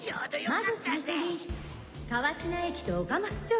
まず最初に川品駅と岡松町